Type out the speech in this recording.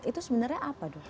itu sebenarnya apa dok